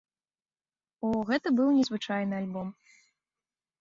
О, гэта быў незвычайны альбом!